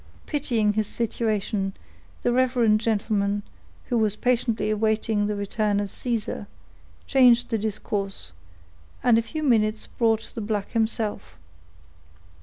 Pitying his situation, the reverend gentleman, who was patiently awaiting the return of Caesar, changed the discourse, and a few minutes brought the black himself.